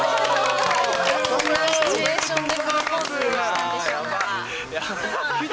どんなシチュエーションでプロポーズしたんでしょうか。